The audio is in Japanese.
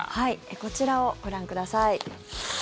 こちらをご覧ください。